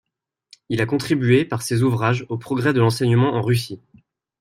Il a contribué, par ses ouvrages, aux progrès de l'enseignement en Russie.